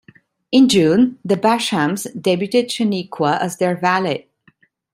In June, the Bashams debuted Shaniqua as their valet.